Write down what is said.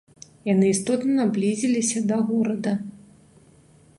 Яны істотна наблізіліся да горада.